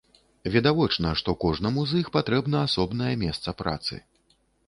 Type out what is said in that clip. Відавочна, што кожнаму з іх патрэбна асобнае месца працы.